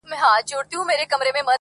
سلمان وویل قسمت کړي وېشونه -